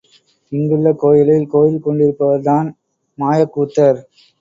இங்குள்ள கோயிலில் கோயில் கொண்டிருப்பவர்தான் மாயக்கூத்தர்.